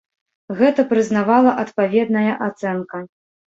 Гэта прызнавала адпаведная ацэнка.